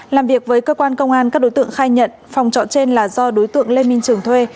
làm việc với cơ quan công an các đối tượng khai nhận phòng trọ trên là do đối tượng lê minh trường thuê